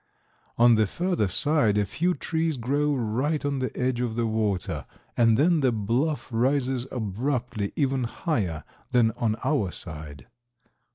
On the further side a few trees grow right on the edge of the water, and then the bluff rises abruptly even higher than on our side.